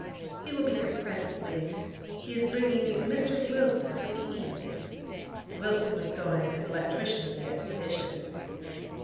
He will be here presently. He is bringing Mr. Wilson for the evening.' (Wilson was going as electrician of the expedition.)